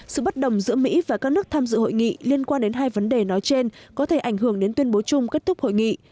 sự bất đồng giữa mỹ và các nước tham dự hội nghị liên quan đến hai vấn đề nói trên có thể ảnh hưởng đến tuyên bố chung kết thúc hội nghị